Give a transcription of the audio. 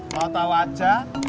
mau tahu aja